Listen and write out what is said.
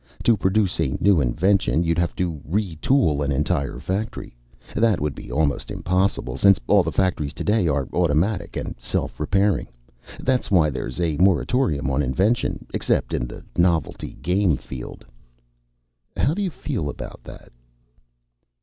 To produce a new invention, you'd have to retool an entire factory. That would be almost impossible, since all the factories today are automatic and self repairing. That's why there's a moratorium on invention, except in the novelty game field." "How do you feel about it?"